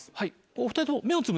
お２人とも。